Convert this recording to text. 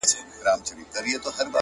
پرمختګ له دوامداره تمرین زېږي.